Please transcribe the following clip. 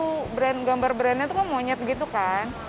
gambar gambar brandnya itu kan monyet gitu kan